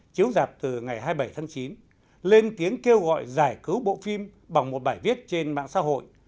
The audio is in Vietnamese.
chiếu dạp từ ngày hai mươi bảy tháng chín lên tiếng kêu gọi giải cứu bộ phim bằng một bài viết trên mạng xã hội